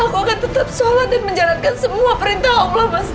semoga tetap sholat dan menjalankan semua perintah allah mas